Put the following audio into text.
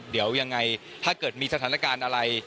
เดี๋ยวยังไงถ้าเกิดมีสถานการณ์อะไร